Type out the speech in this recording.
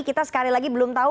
kita sekali lagi belum tahu